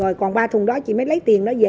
rồi còn ba thùng đó chỉ mới lấy tiền đó về